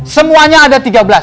semuanya ada tiga belas